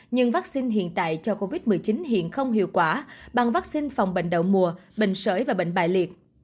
nhưng vắc xin hiện tại cho covid một mươi chín hiện không hiệu quả bằng vắc xin phòng bệnh đậu mùa bệnh sởi và bệnh bại liệt